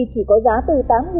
chỉ có giá từ tám